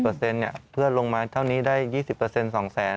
๒๐เปอร์เซ็นต์นี่เพื่อนลงมาเท่านี้ได้๒๐เปอร์เซ็นต์๒๐๐๐๐๐